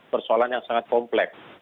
persoalan yang sangat kompleks